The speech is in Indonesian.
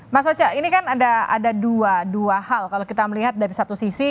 mas oca ini kan ada dua hal kalau kita melihat dari satu sisi